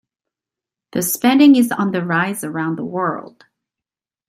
The spending is on the rise around the world.